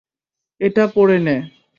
এটা পড়ে নে।